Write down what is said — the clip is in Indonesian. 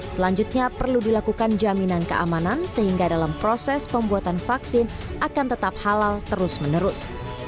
selanjutnya perlu dilakukan jaminan keamanan sehingga dalam proses pembuatan vaksin akan tetap halal terus menerus